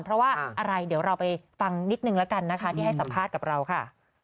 เพราะว่าอะไรเดี๋ยวเราไปฟังนิดนึงละกันนะคะ